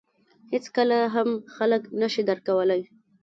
• هېڅکله هم خلک نهشي درک کولای.